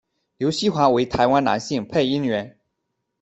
刘锡华为台湾男性配音员。